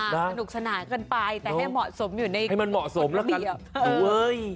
ค่ะสนุกสนานเกินไปแต่ให้เหมาะสมอยู่ในกฎเบียบ